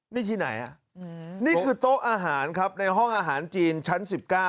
นี่ที่ไหนนี่คือโต๊ะอาหารครับในห้องอาหารจีนชั้น๑๙